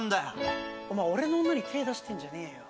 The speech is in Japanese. お前俺の女に手出してんじゃねえよ。